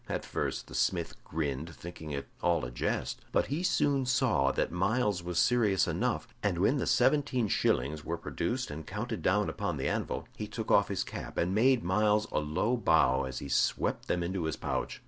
At first the smith grinned, thinking it all a jest; but he soon saw that Myles was serious enough, and when the seventeen shillings were produced and counted down upon the anvil, he took off his cap and made Myles a low bow as he swept them into his pouch.